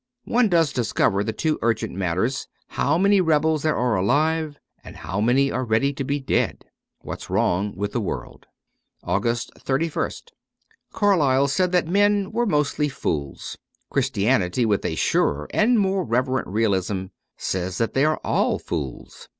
One does discover the two urgent matters ; how many rebels there are alive, and how many are ready to be dead. ^What's Wrong with the World.' 268 AUGUST 31st CARLYLE said that men were mostly fools. Christianity, with a surer and more reverent realism, says that they are all fools.